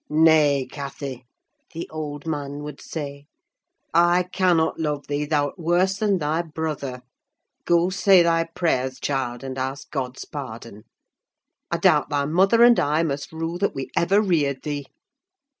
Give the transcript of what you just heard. "Nay, Cathy," the old man would say, "I cannot love thee, thou'rt worse than thy brother. Go, say thy prayers, child, and ask God's pardon. I doubt thy mother and I must rue that we ever reared thee!"